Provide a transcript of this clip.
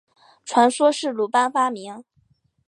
传说是鲁班发明。